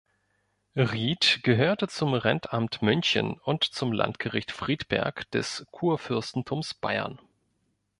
Ried gehörte zum Rentamt München und zum Landgericht Friedberg des Kurfürstentums Bayern.